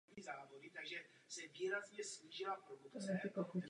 Blahopřeji Komisi.